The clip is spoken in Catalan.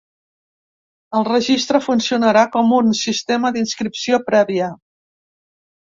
El registre funcionarà com un sistema d’inscripció prèvia.